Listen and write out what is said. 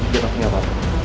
dia takutnya apa